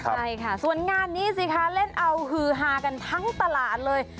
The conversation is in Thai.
ใช่ค่ะส่วนงานนี้สิคะเล่นเอาฮือฮากันทั้งตลาดเลย